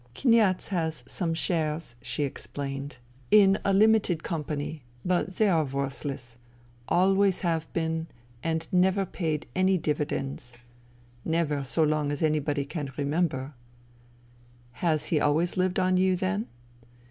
" Kniaz has some shares," she explained, " in 42 FUTILITY a limited company, but they are worthless — always have been — and never paid any dividends. Never so long as anybody can remember." " Has he always lived on you, then